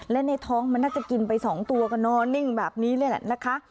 และในท้องมันน่าจะกินไป๒ตัวก็นอนนิ่งแบบนี้เลยแหละนะคะ